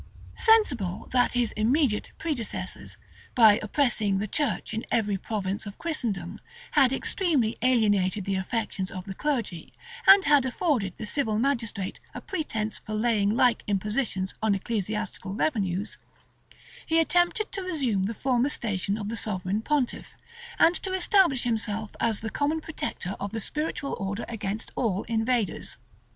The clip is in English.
Sensible that his immediate predecessors, by oppressing the church in every province of Christendom, had extremely alienated the affections of the clergy, and had afforded the civil magistrate a pretence for laying like impositions on ecclesiastical revenues, he attempted to resume the former station of the sovereign pontiff, and to establish himself as the common protector of the spiritual order against all invaders.